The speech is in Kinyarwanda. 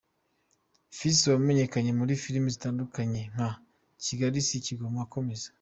Fils wamenyekanye muri filimi zitandukanye nka "Kigali si ikigoma akomeza.